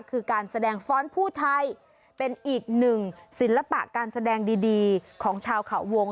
คือการแสดงฟ้อนผู้ไทยเป็นอีกหนึ่งศิลปะการแสดงดีของชาวเขาวง